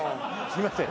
すいません。